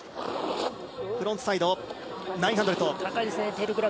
フロントサイド９００。